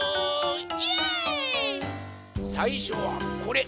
さいしょはこれ。